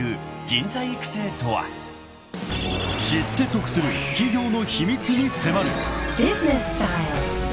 ［知って得する企業の秘密に迫る］